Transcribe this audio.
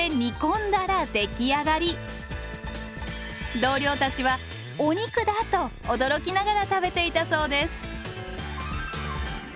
同僚たちは「お肉だ！」と驚きながら食べていたそうです。